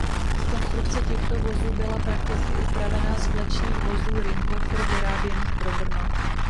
Konstrukce těchto vozů byla prakticky upravená z vlečných vozů Ringhoffer vyráběných pro Brno.